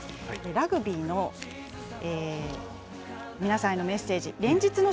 ラグビーの皆さんへのメッセージ。